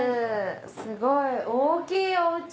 すごい大きいおうち！